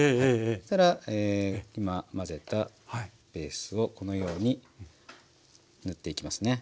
そしたら今混ぜたベースをこのように塗っていきますね。